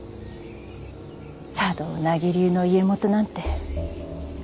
茶道名木流の家元なんて。